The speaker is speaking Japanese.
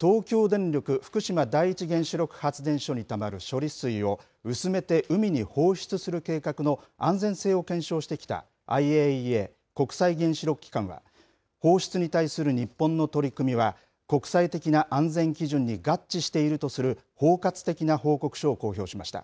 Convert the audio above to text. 東京電力福島第一原子力発電所にたまる処理水を、薄めて海に放出する計画の安全性を検証してきたＩＡＥＡ・国際原子力機関は、放出に対する日本の取り組みは国際的な安全基準に合致しているとする包括的な報告書を公表しました。